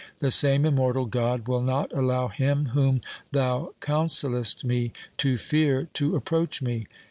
The same immortal God will not allow him whom thou counsellest me to fear to approach me.